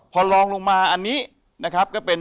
พอลองลงมาอันนี้นะครับก็เป็น